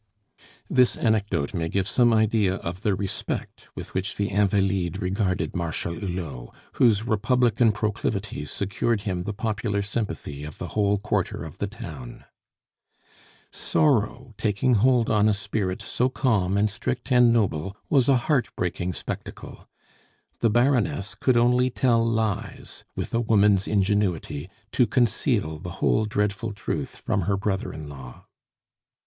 This anecdote may give some idea of the respect with which the Invalides regarded Marshal Hulot, whose Republican proclivities secured him the popular sympathy of the whole quarter of the town. Sorrow taking hold on a spirit so calm and strict and noble, was a heart breaking spectacle. The Baroness could only tell lies, with a woman's ingenuity, to conceal the whole dreadful truth from her brother in law.